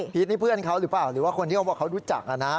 นี่เพื่อนเขาหรือเปล่าหรือว่าคนที่เขาบอกเขารู้จักนะ